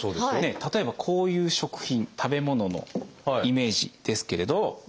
例えばこういう食品食べ物のイメージですけれど。